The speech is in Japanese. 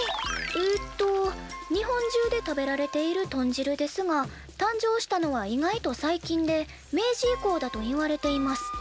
えっと「日本中で食べられている豚汁ですが誕生したのは意外と最近で明治以降だといわれています。